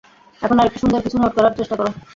এখন আরেকটি সুন্দর কিছু নোট করার চেষ্টা কর।